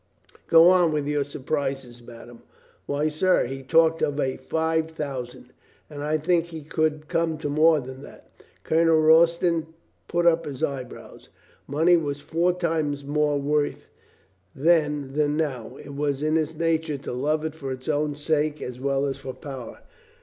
"Go on with your surprises, madame." "Why, sir, he talked of a five thousand. And I think he would come to more than that." Colonel Royston put up his eyebrows. Money was four times more worth then than now. It was in his nature to love it for its own sake as well as for power.